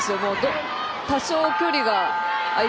多少、距離が空い